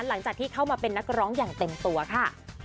หลังจากที่เข้ามาเป็นนักร้องอย่างเต็มตัวค่ะ